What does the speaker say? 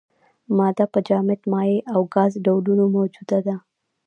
ماده په جامد، مایع او ګاز ډولونو موجوده ده.